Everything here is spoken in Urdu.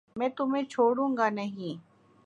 میں تمہیں چھوڑوں گانہیں